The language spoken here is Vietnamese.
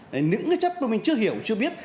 đấy những cái chất mà mình chưa hiểu chưa biết